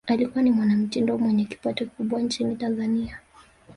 alikuwa ni mwanamitindo mwenye kipato kikubwa nchini tanzani